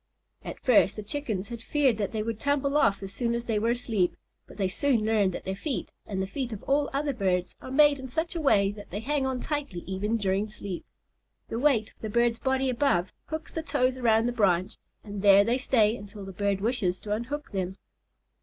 At first the Chickens had feared that they would tumble off as soon as they were asleep, but they soon learned that their feet and the feet of all other birds are made in such a way that they hang on tightly even during sleep. The weight of the bird's body above hooks the toes around the branch, and there they stay until the bird wishes to unhook them.